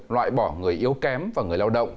loại bỏ người yếu kém và người lao động